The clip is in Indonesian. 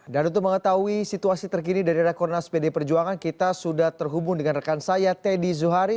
dan untuk mengetahui situasi terkini dari rekornas pd perjuangan kita sudah terhubung dengan rekan saya teddy zuhari